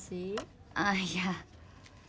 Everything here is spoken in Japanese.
あっいや。